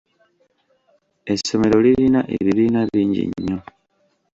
Essomero lirina ebibiina bingi nnyo.